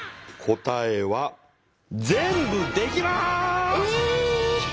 答えは全部できます！え！